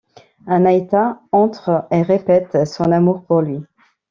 Anahita entre et répète son amour pour lui.